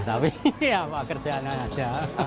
tapi ya kerjaannya aja